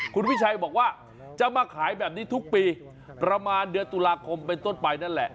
คุณวิชัยบอกว่าจะมาขายแบบนี้ทุกปีประมาณเดือนตุลาคมเป็นต้นไปนั่นแหละ